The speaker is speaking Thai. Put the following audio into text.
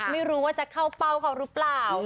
ไม่รู้ว่าจะเข้าเป้าเขาหรือเปล่า